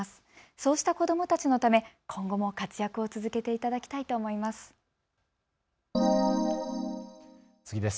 そうした子どもたちのため今後も活躍を続けていただきたいと思います。